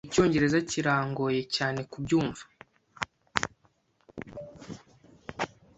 Icyongereza kirangoye cyane kubyumva.